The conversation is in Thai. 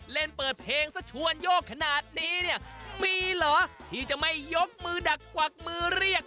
เล่นเปิดเพลงสักชวนโยกขนาดนี้เนี่ยมีเหรอที่จะไม่ยกมือดักกวักมือเรียก